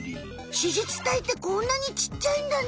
子実体ってこんなにちっちゃいんだね。